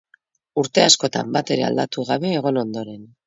Urte askotan batere aldatu gabe egon ondoren.